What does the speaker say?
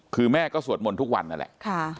คือแม่ก็สวดมนต์ทุกวันนั่นแหละ